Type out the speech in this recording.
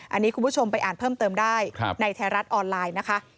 อันนี้คุณผู้ชมไปอ่านเพิ่มเติมได้ในไทยรัฐออนไลน์นะคะ